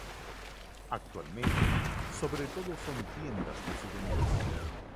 Actualmente, sobre todo son tiendas de souvenirs.